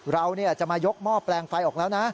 เราจะมายกหม้อแปลงไฟออกแล้วนะ